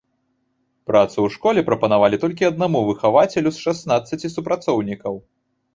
Працу ў школе прапанавалі толькі аднаму выхавацелю з шаснаццаці супрацоўнікаў.